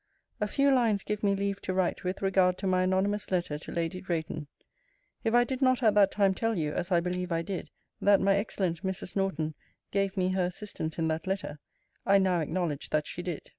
A few lines give me leave to write with regard to my anonymous letter to Lady Drayton. If I did not at that time tell you, as I believe I did, that my excellent Mrs. Norton gave me her assistance in that letter, I now acknowledge that she did.